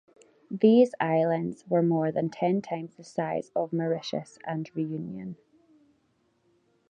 These islands were more than ten times the size of Mauritius and Reunion.